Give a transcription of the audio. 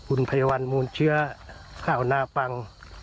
คุณภัยวัลมูลเชื้อข้าวหน้าปัง